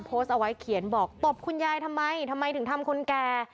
โพสต์เอาไว้เขียนบอกตบคุณยายทำไมทำไมถึงทำคนแก่